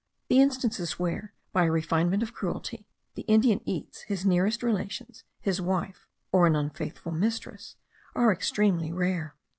The instances where, by a refinement of cruelty, the Indian eats his nearest relations, his wife, or an unfaithful mistress, are extremely rare.